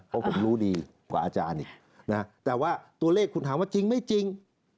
เพราะผมรู้ดีกว่าอาจารย์อีกนะแต่ว่าตัวเลขคุณถามว่าจริงไม่จริง